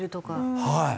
はい。